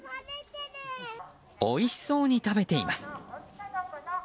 おいしそうに食べています。